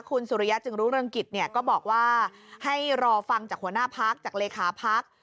คุณสุริยะจึงรู้เรื่องกิจเนี่ยก็บอกว่าให้รอฟังจากหัวหน้าพักจากเลขาพัก